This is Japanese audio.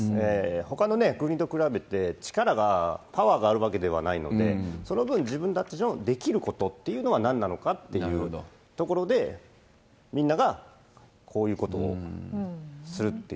ほかの国と比べて、力が、パワーがあるわけではないので、その分、自分たちのできることっていうのはなんなのかというところで、みんながこういうことをするっていう。